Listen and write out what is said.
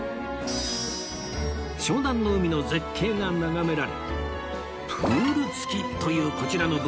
湘南の海の絶景が眺められプール付きというこちらの物件